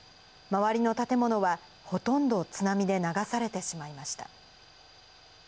周りの建物は、ほとんど津波で流されてしまいました。